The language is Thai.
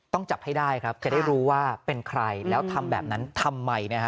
จับให้ได้ครับจะได้รู้ว่าเป็นใครแล้วทำแบบนั้นทำไมนะฮะ